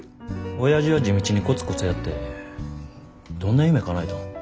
おやじは地道にコツコツやってどんな夢かなえたん。